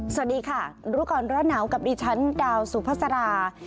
สวัสดีค่ะรู้ก่อนร้อนหนาวกับดิฉันดาวสุภาษา